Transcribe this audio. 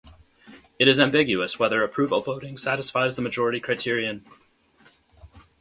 It is ambiguous whether approval voting satisfies the majority criterion.